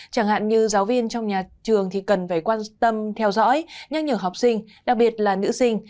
chẳng hạn như giáo viên trong nhà trường thì cần phải quan tâm theo dõi nhắc nhở học sinh đặc biệt là nữ sinh